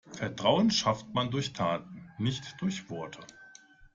Vertrauen schafft man durch Taten, nicht durch Worte.